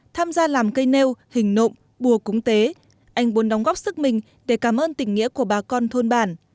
tham gia làm cây nêu hình nộm bùa cúng tế anh muốn đóng góp sức mình để cảm ơn tỉnh nghĩa của bà con thôn bản